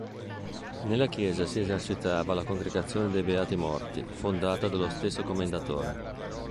Nella chiesa si esercitava la Congregazione dei Beati Morti, fondata dallo stesso Commendatore.